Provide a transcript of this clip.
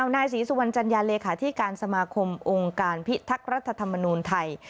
นายศรีสุวรรณจัญญาเลขาธิการสมาคมองค์การพิทักษ์รัฐธรรมนูลไทย